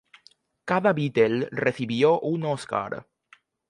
Cada Beatle recibió un Oscar.